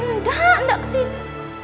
nggak gak kesini